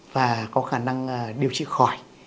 và có khả năng điều trị khỏi